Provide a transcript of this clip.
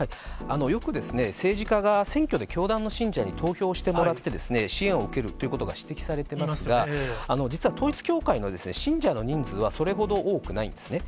よく政治家が選挙で教団の信者に投票してもらって、支援を受けるってことが指摘されていますが、実は統一教会の信者の人数はそれほど多くないんですね。